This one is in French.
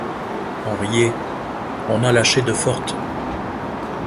On riait, on en lâchait de fortes.